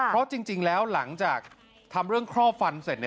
เพราะจริงแล้วหลังจากทำเรื่องครอบฟันเสร็จ